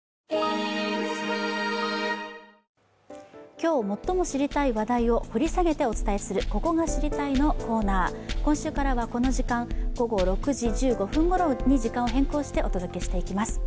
今日、最も知りたい話題を掘り下げてお伝えする「ここが知りたい！」のコーナー、今週からはこの時間、午後６時１５分ごろに時間を変更してお届けしていきます。